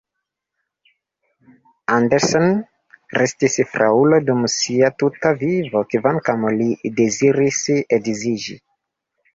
Andersen restis fraŭlo dum sia tuta vivo, kvankam li deziris edziĝi.